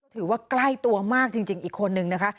ถือว่าใกล้ตัวมากจริงอีกคนนึงนะคะ